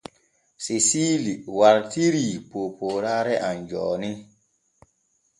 Seesiili wartirii poopooraare am jooni.